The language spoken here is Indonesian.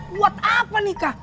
buat apa nikah